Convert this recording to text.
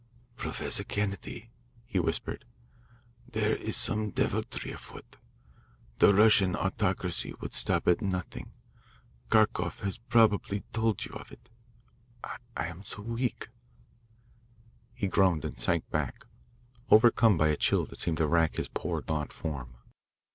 "Professor Kennedy," he whispered, "there is some deviltry afoot. The Russian autocracy would stop at nothing. Kharkoff has probably told you of it. I am so weak " He groaned and sank back, overcome by a chill that seemed to rack his poor gaunt form.